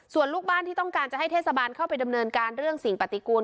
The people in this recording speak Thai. ส่วนลูกบ้านที่ต้องการจะให้เทศบาลเข้าไปดำเนินการเรื่องสิ่งปฏิกูล